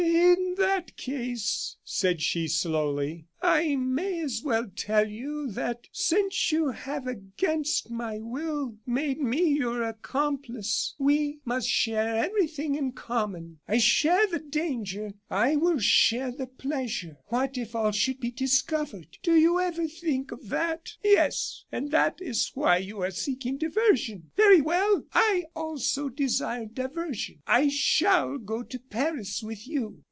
"In that case," said she, slowly, "I may as well tell you that since you have, against my will, made me your accomplice, we must share everything in common. I share the danger; I will share the pleasure. What if all should be discovered? Do you ever think of that? Yes; and that is why you are seeking diversion. Very well! I also desire diversion. I shall go to Paris with you."